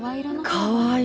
かわいい！